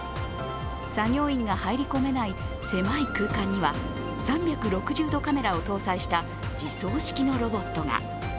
作業員が入り込めない狭い空間には３６０度カメラを搭載した自走式のロボットが。